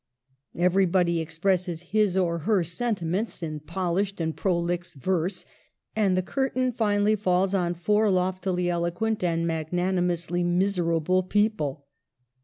Everybody expresses his or her sentiments in polished and prolix verse, and the curtain finally falls on four loftily eloquent and magnanimously miserable people.